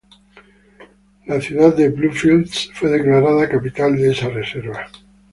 La ciudad de Bluefields fue declarada capital de esa reserva.